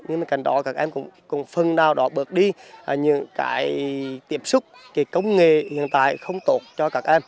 nhưng mà cạnh đó các em cũng phần nào đó bước đi những cái tiếp xúc cái công nghệ hiện tại không tốt cho các em